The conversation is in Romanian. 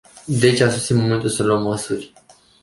Deci, a sosit momentul să luăm măsuri.